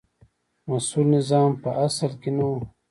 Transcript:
مسوول نظام په اصل کې نه و.